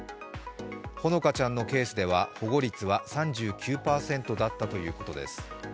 ほのかちゃんのケースでは保護率は３９％だったということです。